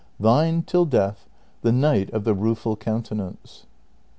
" Thine till death, "The Knight of the Rueful Countenance."